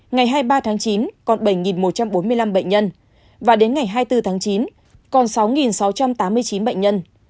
ngày hai mươi ba tháng chín còn bảy một trăm bốn mươi năm bệnh nhân và đến ngày hai mươi bốn tháng chín còn sáu sáu trăm tám mươi chín bệnh nhân